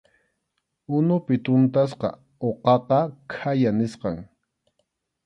Unupi tuntasqa uqaqa khaya nisqam.